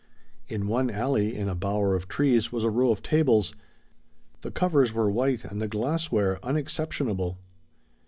In one alley, in a bower of trees, was a row of tables; the covers were white and the glassware unexceptionable.